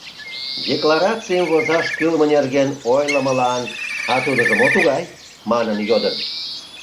Декларацийым возаш кӱлмӧ нерген ойлымылан «А тудыжо мо тугай?» манын йодын.